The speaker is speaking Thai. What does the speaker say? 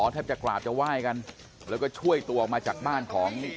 แทบจะกราบจะไหว้กันแล้วก็ช่วยตัวออกมาจากบ้านของ